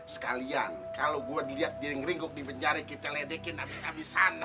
sekalian kalau gue dilihat diri ngeringguk di penjara kita ledekin abis abis sana